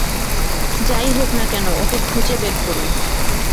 যাই হোক না কেন, ওকে খুঁজে বের করুন।